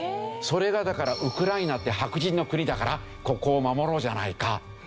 それがだからウクライナって白人の国だからここを守ろうじゃないか。